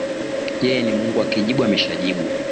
Yeye ni Mungu akijibu ameshajibu